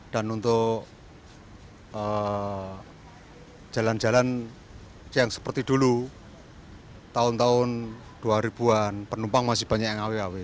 dan untuk jalan jalan yang seperti dulu tahun tahun dua ribu an penumpang masih banyak yang awi awi